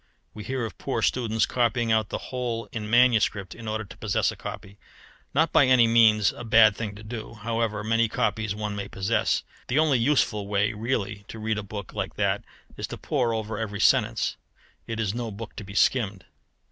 We hear of poor students copying out the whole in manuscript in order to possess a copy not by any means a bad thing to do, however many copies one may possess. The only useful way really to read a book like that is to pore over every sentence: it is no book to be skimmed.